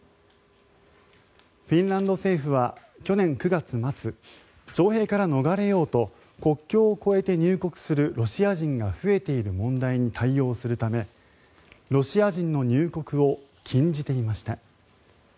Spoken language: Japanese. フィンランド政府は、去年９月末徴兵から逃れようと国境を越えて入国するロシア人が増えている問題に対応するため、ロシア人の入国を禁じていました。